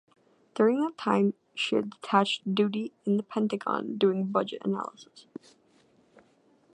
During that time she had detached duty in the Pentagon doing budget analysis.